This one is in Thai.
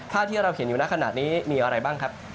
ที่เราเห็นอยู่ในขณะนี้มีอะไรบ้างครับ